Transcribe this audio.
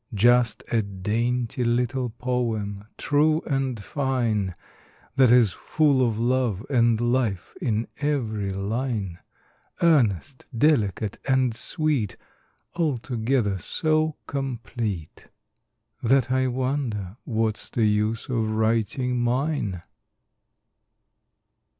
Just a dainty little poem, true and fine, That is full of love and life in every line, Earnest, delicate, and sweet, Altogether so complete That I wonder what's the use of writing mine.